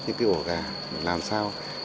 những ổ gà làm sao